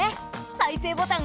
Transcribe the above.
再生ボタン。